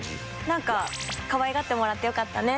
なんか「かわいがってもらってよかったね」